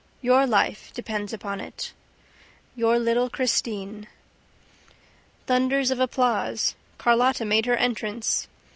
Your life depends upon it. YOUR LITTLE CHRISTINE. Thunders of applause. Carlotta made her entrance.